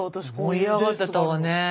盛り上がってたわね。